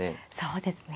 そうですね。